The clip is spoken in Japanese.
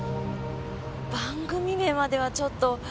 番組名まではちょっと。